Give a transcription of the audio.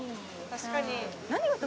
確かに。